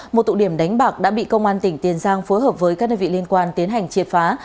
một tụ điểm đánh bạc đã bị công an tỉnh tiền giang phối hợp với các đơn vị liên quan tiến hành triệt phá